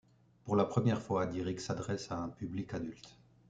Pour la première fois, Dirick s'adresse à un public adulte.